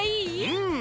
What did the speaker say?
うん！